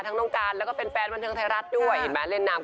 ทั้งน้องกันแล้วก็เป็นแฟนวันเทิงไทยรัฐด้วยเห็นไหม